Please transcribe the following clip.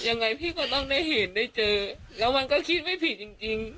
ยังไงพี่ก็ต้องได้เห็นได้เจอแล้วมันก็คิดไม่ผิดจริงจริง